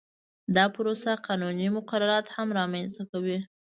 دا پروسه قانوني مقررات هم رامنځته کوي